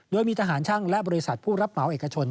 โดยมีทหารช่างและบริษัทผู้รับเหมาเอกชน